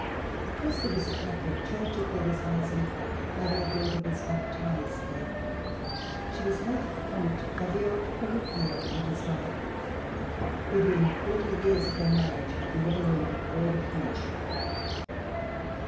As there was a Catholic Church at Wildeshausen, my little daughter was baptized there. She was held at the font by the old perruquier, and his wife, who during the forty years of their marriage had never learned a word of French.